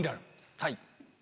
はい。